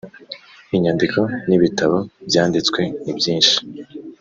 Inyandiko n’ibitabo byanditswe ni byinshi.